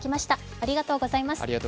ありがとうございます。